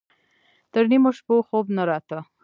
تر نيمو شپو خوب نه راته.